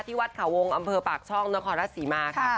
ที่วัดขาวงอปากช่องนครรัฐสีมา